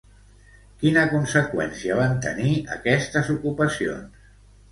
Quina conseqüència van tenir aquestes ocupacions?